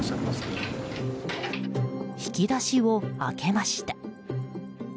引き出しを開けました。